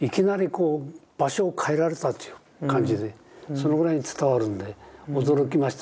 そのぐらい伝わるんで驚きました。